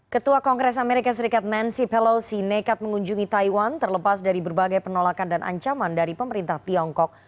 ketua kongres amerika serikat nancy pelosi nekat mengunjungi taiwan terlepas dari berbagai penolakan dan ancaman dari pemerintah tiongkok